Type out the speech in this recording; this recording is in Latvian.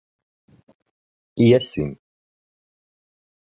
Iesim.